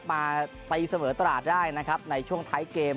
มาตีเสมอตราดได้นะครับในช่วงท้ายเกม